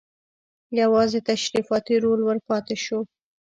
یوازې تشریفاتي رول ور پاتې شو.